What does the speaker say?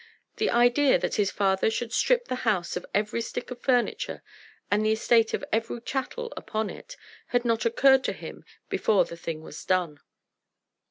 The idea that his father should strip the house of every stick of furniture, and the estate of every chattel upon it, had not occurred to him before the thing was done.